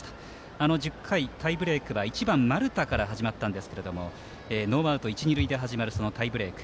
あの１０回、タイブレークは１番丸田から始まったんですけどノーアウト、一、二塁で始まる、タイブレーク。